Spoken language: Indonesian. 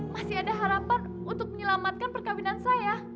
masih ada harapan untuk menyelamatkan perkawinan saya